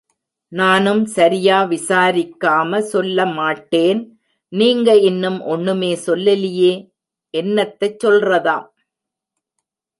நானும் சரியா விசாரிக்காம சொல்லமாட்டேன். நீங்க இன்னும் ஒண்ணுமே சொல்லலியே! என்னத்தைச் சொல்றதாம்.